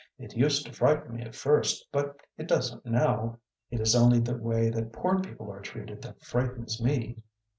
It used to frighten me at first, but it doesn't now. It is only the way that poor people are treated that frightens me."